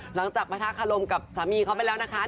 ประทะคารมกับสามีเขาไปแล้วนะคะ